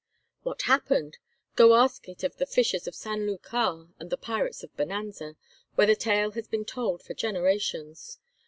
What happened? Go ask it of the fishers of San Lucar and the pirates of Bonanza, where the tale has been told for generations.